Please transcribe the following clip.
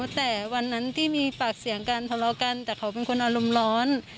แต่วันนั้นที่มีปากเสียงกันทะเลาะกันแต่เขาเป็นคนอารมณ์ร้อน